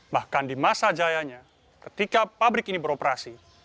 bahkan di masa jayanya ketika pabrik ini beroperasi